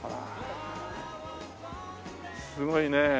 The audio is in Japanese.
すごいね。